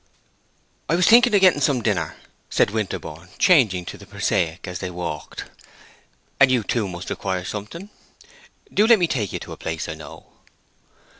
"I was thinking of getting some dinner," said Winterborne, changing to the prosaic, as they walked. "And you, too, must require something. Do let me take you to a place I know."